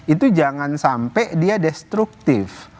itu jangan sampai dia destruktif